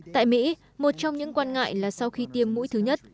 tại mỹ một trong những quan ngại là sau khi tiêm mũi thứ nhất